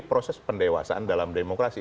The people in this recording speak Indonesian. proses pendewasaan dalam demokrasi